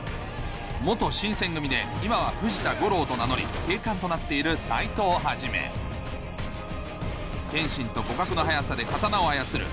新撰組で今は藤田五郎と名乗り警官となっている斎藤一剣心と互角の速さで刀を操る